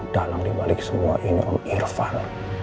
dalam dibalik semua ini om irfan